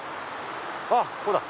あっここだ！